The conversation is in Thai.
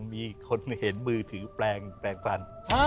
มีคนเห็นมือถือแปลงฟัน